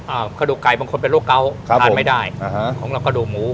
กระดูกไก่บางคนเป็นโรคเกาครับทานไม่ได้อ่าฮะของเรากระดูกหมู